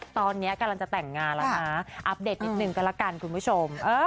ตอนนี้กำลังจะแต่งงานแล้วนะอัปเดตนิดนึงก็ละกันคุณผู้ชม